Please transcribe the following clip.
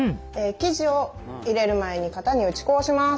生地を入れる前に型に打ち粉をします。